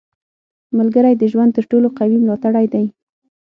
• ملګری د ژوند تر ټولو قوي ملاتړی دی.